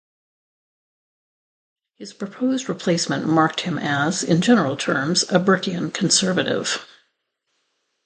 His proposed replacement marked him as, in general terms, a Burkean conservative.